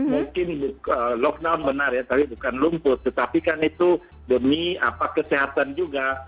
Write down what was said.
mungkin lockdown benar ya tapi bukan lumput tetapi kan itu demi kesehatan juga